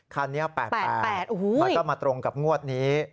คันนี้๘๘มันก็มาตรงกับงวดนี้